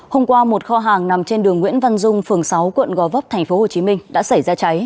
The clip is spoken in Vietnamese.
hôm qua một kho hàng nằm trên đường nguyễn văn dung phường sáu quận gò vấp tp hcm đã xảy ra cháy